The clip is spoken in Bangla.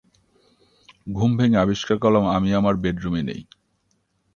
ঘুম ভেঙে আবিষ্কার করলাম আমি আমার বেডরুমে নাই।